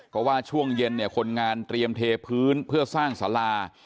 เพราะว่าช่วงเย็นเนี่ยคนงานเตรียมเทพื้นเพื่อสร้างสารา